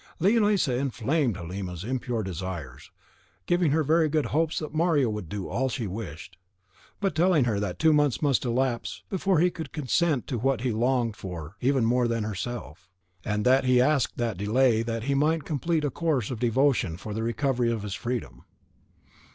Leonisa inflamed Halima's impure desires, giving her very good hopes that Mario would do all she wished, but telling her that two months must elapse before he could consent to what he longed for even more than herself; and that he asked that delay that he might complete a course of devotion for the recovery of his freedom.